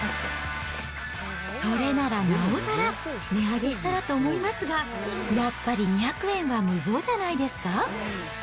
それならなおさら値上げしたらと思いますが、やっぱり２００円は無謀じゃないですか。